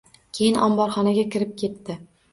Keyin omborxonaga kirib ketdi